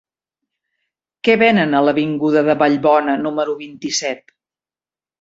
Què venen a l'avinguda de Vallbona número vint-i-set?